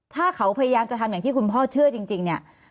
ถ้าเขาพยายามจะทำอย่างที่คุณพ่อเชื่อจริงเนี่ย